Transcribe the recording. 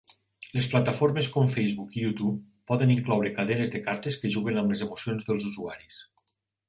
Les plataformes com Facebook i YouTube poden incloure cadenes de cartes que juguen amb les emocions dels usuaris.